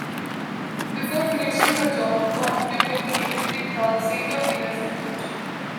Before finishing the job, God fled when He detected the Saint of Killers approaching.